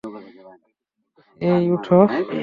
অ্যাই, উঠো।